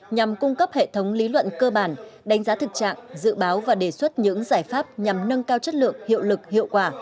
nhằm cung cấp hệ thống lý luận cơ bản đánh giá thực trạng dự báo và đề xuất những giải pháp nhằm nâng cao chất lượng hiệu lực hiệu quả